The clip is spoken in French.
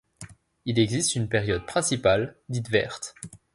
Il existe une période principale, dite verte.